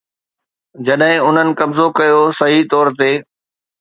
جڏهن انهن قبضو ڪيو، صحيح طور تي